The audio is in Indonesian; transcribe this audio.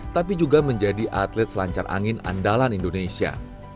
tapi juga menjadi atlet selancar angin andalan indonesia